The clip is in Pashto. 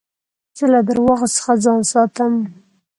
زه له درواغو څخه ځان ساتم.